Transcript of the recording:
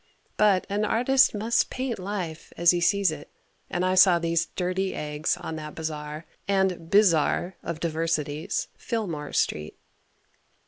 But an artist must paint life as he sees it and I saw these "dirty" eggs on that bazaar and bizarre of diversities Fillmore street.